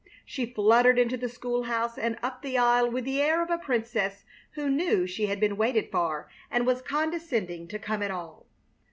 She fluttered into the school house and up the aisle with the air of a princess who knew she had been waited for and was condescending to come at all.